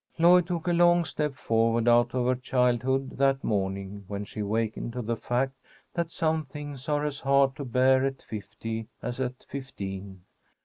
Lloyd took a long step forward out of her childhood that morning when she wakened to the fact that some things are as hard to bear at fifty as at fifteen.